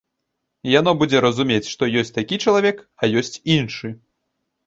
Яно будзе разумець, што ёсць такі чалавек, а ёсць іншы.